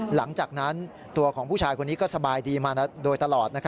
หลังจากนั้นตัวของผู้ชายคนนี้ก็สบายดีมาโดยตลอด